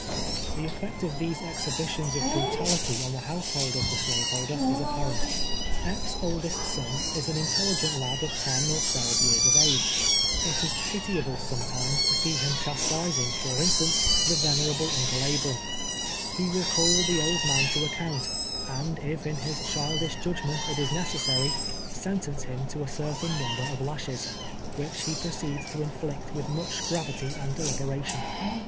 The effect of these exhibitions of brutality on the household of the slave holder, is ai)parent. Epps' oldest son is an intelligent lad of ten or twelve years of age. It is pitiable, sometimes, to see him clias ErPs' OLDEST SON. 261 tising, for instance, tlie venerable Uncle Abram. lie ■will call the old man to account, and if in his child ish judgment it is necessary, sentence him to a cer tain number of lashes, which he proceeds to inflict with much gravity and deliberation.